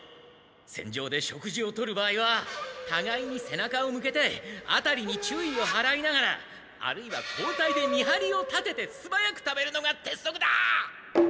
戦場で食事をとる場合はたがいに背中を向けてあたりに注意をはらいながらあるいは交代で見張りを立ててすばやく食べるのが鉄則だ！